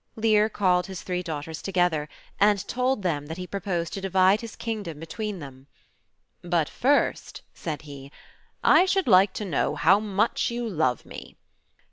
Lear called his three daughters together, and told them that he proposed to divide his kingdom between them. "But first,'' said he, "I should'like to know how much you love me."